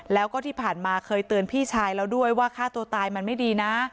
แล้วก็ที่ผ่านมาเคยเตือนพี่ชายแล้วด้วยว่าฆ่าตัวตายมันไม่ดีนะ